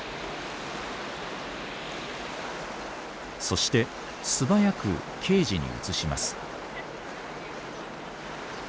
そしてすばやくケージに移します。